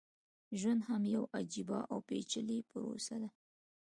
ژوند هم يوه عجيبه او پېچلې پروسه ده.